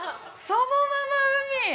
そのまま海！